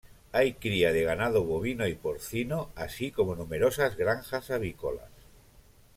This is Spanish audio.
Hay cría de ganado bovino y porcino, así como numerosas granjas avícolas.